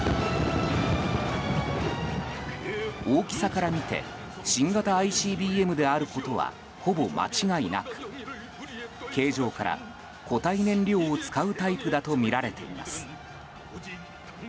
大きさから見て新型ＩＣＢＭであることはほぼ間違いなく形状から、固体燃料を使うタイプだとみられています。